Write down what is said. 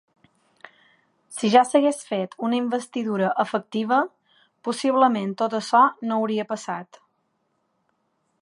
Si ja s’hagués fet una investidura ‘efectiva’, possiblement tot això no hauria passat.